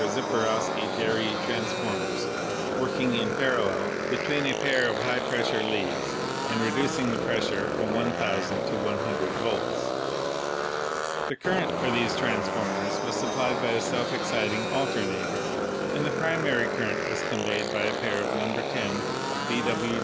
Ziperowsky Deri transform ers working in parallel between a pair of high pressure leads, and reducing the pressure from 1,000 to 100 volts. The current for these transformers was supplied by a self exciting alternator, and the primary current was convened by a pair of No. 10 B. W.